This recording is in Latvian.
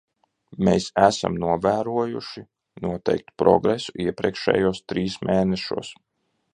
Mēs esam novērojuši noteiktu progresu iepriekšējos trīs mēnešos.